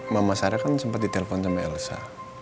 mama sarah kan sempat ditelepon sama elsa